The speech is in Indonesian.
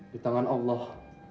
di tangan allah